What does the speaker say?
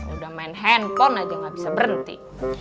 udah main handphone aja nggak bisa berhenti